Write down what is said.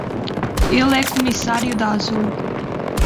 Ele é comissário da Azul.